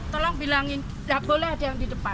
tolong bilangin dah boleh ada yang di depan